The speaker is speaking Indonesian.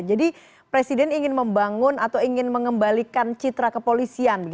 jadi presiden ingin membangun atau ingin mengembalikan citra kepolisian